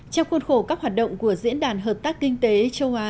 trong khuôn khổ các hoạt động của diễn đàn hợp tác kinh tế châu á